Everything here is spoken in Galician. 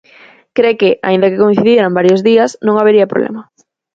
Cre que, aínda que coincidiran varios días, non habería problema.